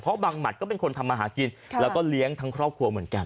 เพราะบางหมัดก็เป็นคนทำมาหากินแล้วก็เลี้ยงทั้งครอบครัวเหมือนกัน